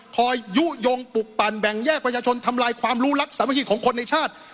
ยุโยงปลุกปั่นแบ่งแยกประชาชนทำลายความรู้รักสามัคคีของคนในชาติ